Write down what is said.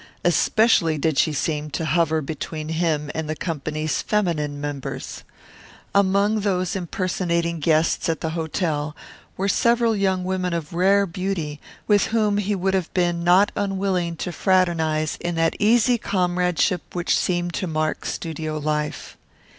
Especially did she seem to hover between him and the company's feminine members. Among those impersonating guests at the hotel were several young women of rare beauty with whom he would have been not unwilling to fraternize in that easy comradeship which seemed to mark studio life.